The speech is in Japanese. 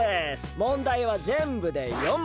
問題はぜんぶで４問！